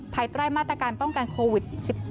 ภายใต้มาตรการป้องกันโควิด๑๙